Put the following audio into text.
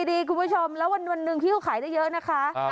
ดีคุณผู้ชมแล้ววันหนึ่งพี่เขาขายได้เยอะนะคะ